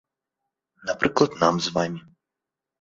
Напрыклад, нам з вамі.